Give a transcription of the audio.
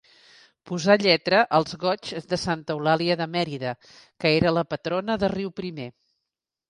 Posà lletra als goigs de Santa Eulàlia de Mèrida que era la patrona de Riuprimer.